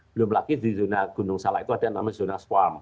belum lagi di zona gunung salai itu ada yang namanya zona swarm